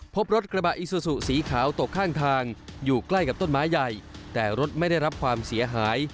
พบรถกระบะอิซูซูสีขาวตกข้างทางอยู่ใกล้กับต้นไม้ใหญ่แต่รถไม่ได้รับความเสียหาย